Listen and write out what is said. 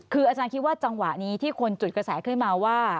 คืออาจารย์คิดว่าจังหวะนี้ที่คนจุดกระแสขึ้นมาว่า